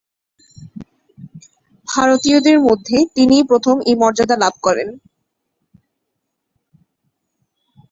ভারতীয়দের মধ্যে তিনিই প্রথম এই মর্যাদা লাভ করেন।